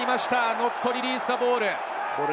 ノットリリースザボール。